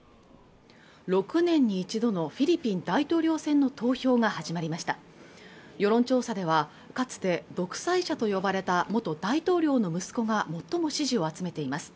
６年に１度のフィリピン大統領選の投票が始まりました世論調査ではかつて独裁者と呼ばれた元大統領の息子が最も支持を集めています